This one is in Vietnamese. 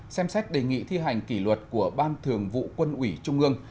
xem xét đề nghị thi hành kỷ luật của ban thường vụ quân ủy trung ương